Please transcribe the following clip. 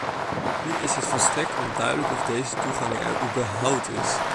Nu is het volstrekt onduidelijk of deze toegang er überhaupt is.